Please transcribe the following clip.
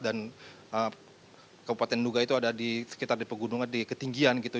dan kabupaten duga itu ada di sekitar di pegunungan di ketinggian gitu